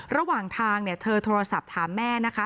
ระหว่างทางเธอโทรศัพท์ถามแม่นะคะ